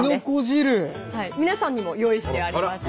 皆さんにも用意してあります。